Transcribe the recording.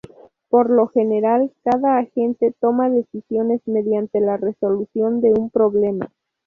Por lo general, cada agente toma decisiones mediante la resolución de un problema.